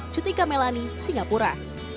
cutika melani singapura